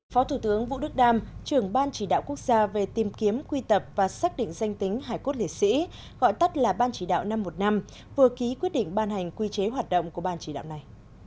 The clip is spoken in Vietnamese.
phó thủ tướng vũ đức đam trưởng ban chỉ đạo quốc gia về tìm kiếm quy tập và xác định danh tính hải cốt lễ sĩ gọi tắt là ban chỉ đạo năm trăm một mươi năm vừa ký quyết định ban hành quy chế hoạt động của ban chỉ đạo này